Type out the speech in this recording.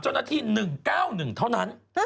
เจ้าหน้าที่๑๙๑เท่านั้น